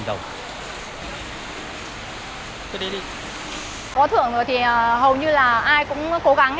có thưởng rồi thì hầu như là ai cũng cố gắng